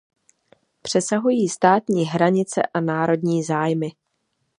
Přesahují státní hranice a národní zájmy.